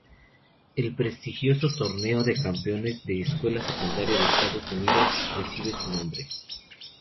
El prestigioso Torneo de Campeones de Escuela Secundaria de Estados Unidos recibe su nombre.